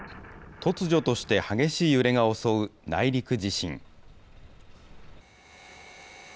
突如として激しい揺れが襲う内陸地震。